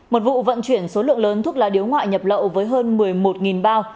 một vụ vận chuyển số lượng lớn thuốc lá điếu ngoại nhập lậu với hơn một mươi một bao